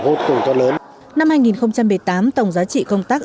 năm hai nghìn một mươi tám tổng giá trị công tác hội chữ thập đỏ việt nam đã tạo ra một công việc